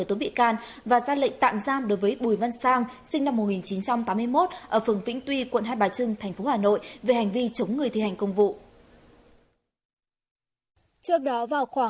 trước đó vào khoảng hai mươi một h hai mươi phút ngày hai mươi tháng một mươi năm hai nghìn một mươi năm